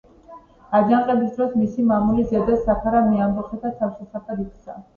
აჯანყების დროს მისი მამული ზედა საქარა მეამბოხეთა თავშესაფრად იქცა.